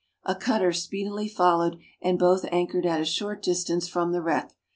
A cutter speedily followed, and both anchored at a short distance from the wreck.